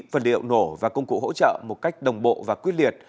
phần liệu nổ và công cụ hỗ trợ một cách đồng bộ và quyết liệt